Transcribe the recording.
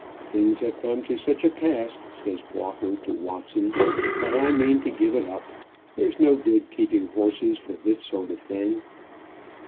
"Things have come to such a pass," says Walker to Watson, "that I mean to give it up. There's no good keeping horses for this sort of thing."